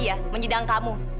iya menyidang kamu